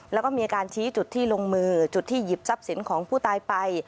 แล้วก็มีการชี้จุดที่ลงมือจุดที่หยิบทรัพย์สินของผู้ตายไป